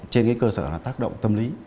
trên cái cơ sở là tác động tâm lý